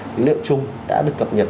dữ liệu chung đã được cập nhật